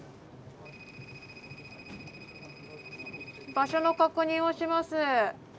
☎場所の確認をします。